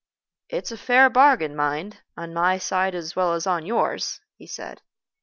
"It's a fair bargain, mind, on my side as well as on yours," he said.